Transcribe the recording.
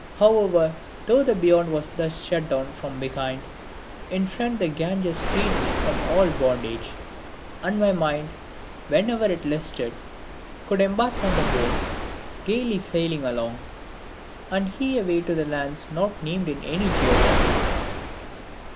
However though the Beyond was thus shut out from behind, in front the Ganges freed me from all bondage, and my mind, whenever it listed, could embark on the boats gaily sailing along, and hie away to lands not named in any geography.